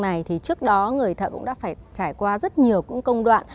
tuy nhiên để có được phần khung xương này thì trước đó người thợ cũng đã phải trải qua rất nhiều công đoạn